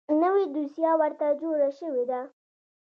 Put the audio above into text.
نوې دوسیه ورته جوړه شوې ده .